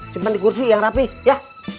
simpan di kursi yang rapi ya